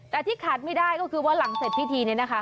แต่ที่ขาดไม่ได้ก็คือว่าหลังเสร็จพิธีนี้นะคะ